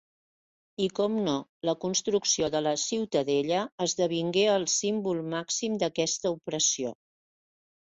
I com no, la construcció de la Ciutadella esdevingué el símbol màxim d'aquesta opressió.